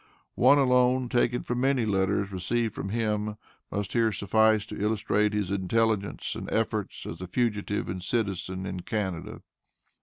One alone, taken from many letters received from him, must here suffice to illustrate his intelligence and efforts as a fugitive and citizen in Canada.